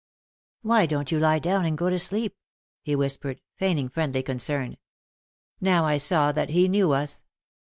"Why don't you lie down and go to sleep,' , he whis pered, feigning friendly concern. Now I saw that he knew us.